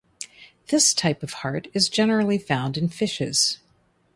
This type of heart is generally found in fishes.